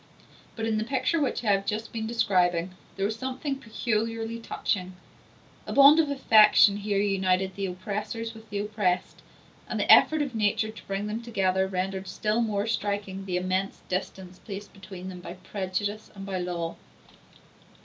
But in the picture which I have just been describing there was something peculiarly touching; a bond of affection here united the oppressors with the oppressed, and the effort of nature to bring them together rendered still more striking the immense distance placed between them by prejudice and by law.